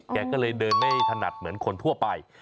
แกก็เลยเดินไม่ถนัดเหมือนคนทั่วไป